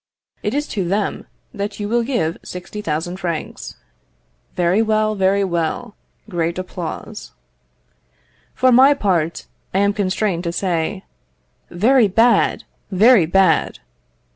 It is to them that you will give 60,000 francs." (Very well; very well. Great applause.) For my part I am constrained to say, "Very bad! very bad!"